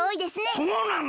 そうなの？